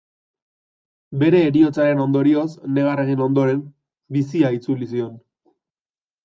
Bere heriotzaren ondorioz negar egin ondoren, bizia itzuli zion.